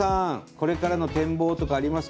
これからの展望とかありますか？